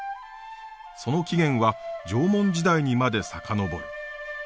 その起源は縄文時代にまで遡る。